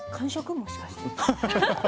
もしかして。